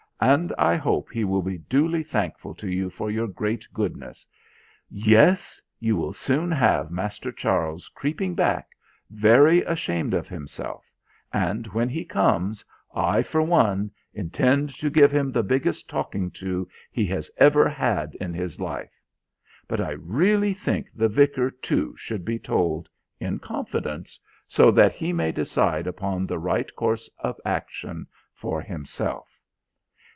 And I hope he will be duly thankful to you for your great goodness. Yes! You will soon have Master Charles creeping back, very ashamed of himself, and when he comes, I for one, intend to give him the biggest talking to he has ever had in his life. But I really think the Vicar too, should be told, in confidence, so that he may decide upon the right course of action for himself."